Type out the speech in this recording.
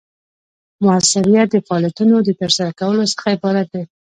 مؤثریت د فعالیتونو د ترسره کولو څخه عبارت دی.